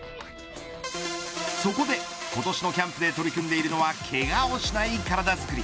そこで今年のキャンプで取り組んでいるのはけがをしない体づくり。